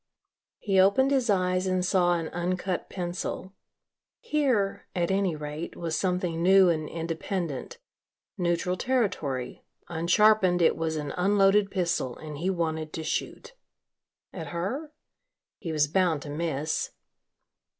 He opened his eyes and saw an uncut pencil. Here, at any rate, was something new and independent neutral territory, unsharpened it was an unloaded pistol and he wanted to shoot. At her? He was bound to miss.